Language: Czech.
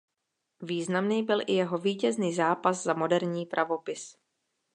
Významný byl i jeho vítězný zápas za moderní pravopis.